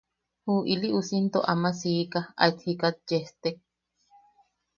Ju ili usi into aman siika aet jikat yestek.